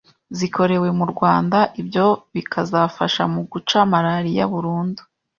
zikorewe mu Rwanda, ibyo bikazafasha mu guca Malariya burundu